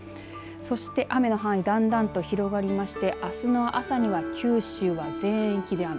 そして雨の範囲だんだんと広がりましてあすの朝には九州の全域で雨。